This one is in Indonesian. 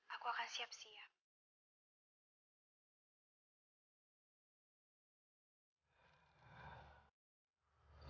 aku akan siap siap